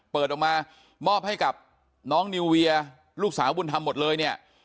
เปิดออกมามอบให้กับน้องนิวเวียลูกสาวบุญธรรมหมดเลยเนี่ย